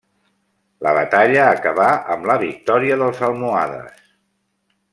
La batalla acabà amb la victòria dels almohades.